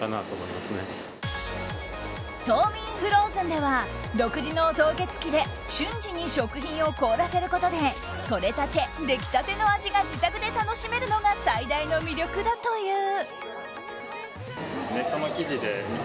ＴＯＭＩＮＦＲＯＺＥＮでは独自の凍結機で瞬時に食品を凍らせることでとれたて、できたての味が自宅で楽しめるのが最大の魅力だという。